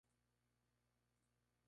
Actualmente reside en la misma ciudad.